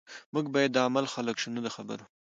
موږ باید د عمل خلک شو نه د خبرو